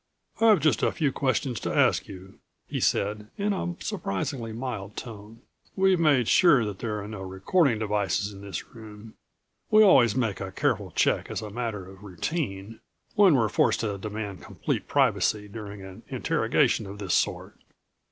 "I've just a few questions to ask you," he said, in a surprisingly mild tone. "We've made sure that there are no recording devices in this room. We always make a careful check as a matter of routine, when we're forced to demand complete privacy during an interrogation of this sort.